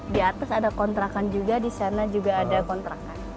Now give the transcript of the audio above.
di atas ada kontrakan juga di sana juga ada kontrakan